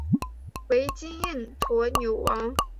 为金印驼纽王。